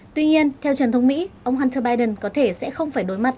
tuy nhiên theo truyền thông mỹ ông hunt biden có thể sẽ không phải đối mặt